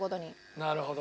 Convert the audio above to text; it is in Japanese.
なるほど。